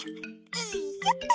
よいしょっと！